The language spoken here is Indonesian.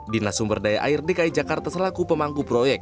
dinas sumber daya air dki jakarta selaku pemangku proyek